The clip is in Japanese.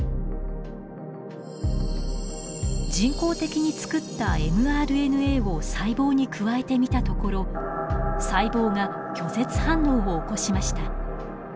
人工的に作ったｍＲＮＡを細胞に加えてみたところ細胞が拒絶反応を起こしました。